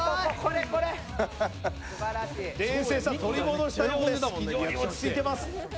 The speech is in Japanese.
冷静さ、取り戻したようです、非常に落ち着いています。